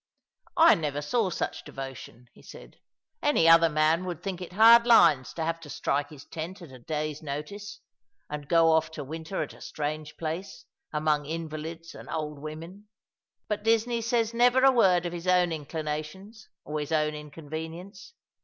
" I never saw such devotion," he said. " Any other man would think it hard lines to have to strike his tent at a day's notice, and go off to winter at a strange place, among invalids and old women ; but Disney says never a word of his own inclinations or his own inconvenience.